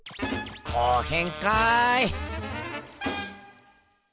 後編かい。